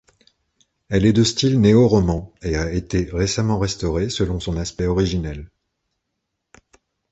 Elle est de style néoroman et a été récemment restaurée selon son aspect originel.